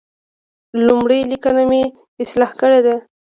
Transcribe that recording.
لومړۍ لیکنه مې اصلاح کړې ده.